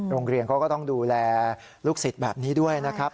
โรงเรียนเขาก็ต้องดูแลลูกศิษย์แบบนี้ด้วยนะครับ